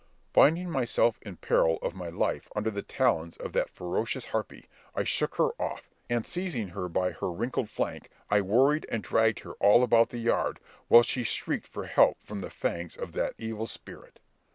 Finding myself in peril of my life under the talons of that ferocious harpy, I shook her off, and seizing her by her wrinkled flank, I worried and dragged her all about the yard, whilst she shrieked for help from the fangs of that evil spirit.